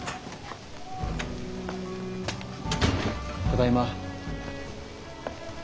ただいま。